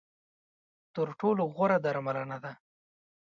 تر ټولو غوره درملنه ده .